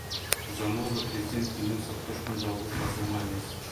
Заноза президент менен соттошкон жалгыз басылма эмес.